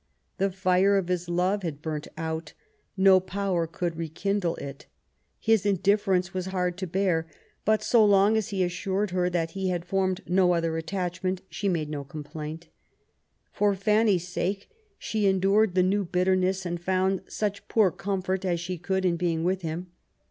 The fire of his love had burnt out. No power could rekindle it. His in difference was hard to bear ; but so long as he assured her that he had formed no other attachment^ she made no complaint. For Fanny's sake she endured the new bitterness^ and found such poor comfort as she could in being with him.